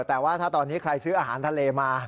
แต่ว่าถ้าตอนนี้ใครซื้ออาหารทะเลมา